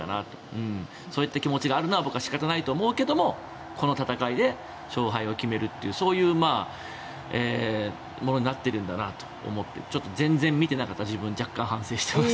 そういう気持ちがあるのは僕は仕方ないと思うけどこの戦いで勝敗を決めるというそういうものになっているんだなと思ってちょっと全然見ていなかった自分反省しています。